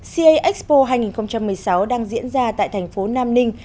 ca expo hai nghìn một mươi sáu đang diễn ra tại thành phố nam ninh